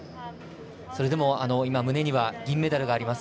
それでも胸には銀メダルがあります。